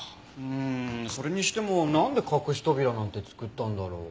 うーんそれにしてもなんで隠し扉なんて作ったんだろう？